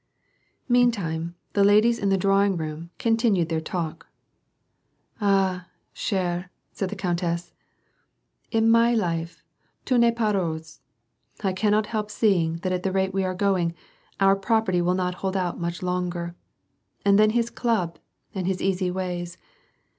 Meantime, the ladies in the drawing room, continued their talk: " Ah, cherBy^ said the countess, " in my life tout rCest pas rose. I cannot help seeing that at the rate we are going, * our property will not hold out much longer. And then his club, and his easy ways.